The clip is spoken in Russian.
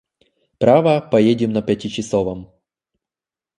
Право, поедем на пятичасовом!